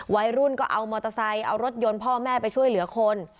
วัยรุ่นก็เอามอเตอร์ไซค์เอารถยนต์พ่อแม่ไปช่วยเหลือคน